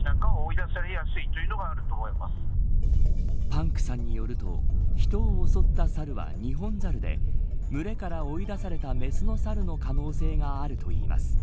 パンクさんによると人を襲ったサルはニホンザルで群れから追い出された雌のサルの可能性があるといいます。